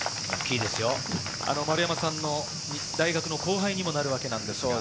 丸山さんの大学の後輩にもなるわけですが。